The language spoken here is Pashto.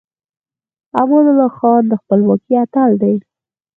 امان الله خان د خپلواکۍ اتل دی.